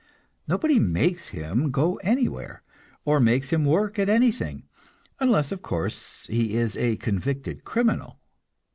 Nobody makes him go anywhere, or makes him work at anything unless, of course, he is a convicted criminal.